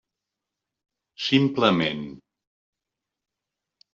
Simplement.